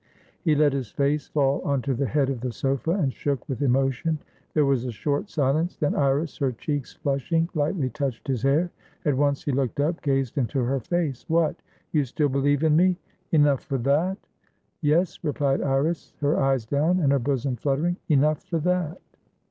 He let his face fall onto the head of the sofa, and shook with emotion. There was a short silence, then Iris, her cheeks flushing, lightly touched his hair. At once he looked up, gazed into her face. "What! You still believe in me? Enough for that?" "Yes," replied Iris, her eyes down, and her bosom fluttering. "Enough for that."